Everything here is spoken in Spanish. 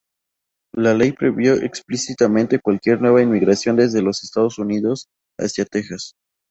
La ley prohibió explícitamente cualquier nueva inmigración desde los Estados Unidos hacia Texas.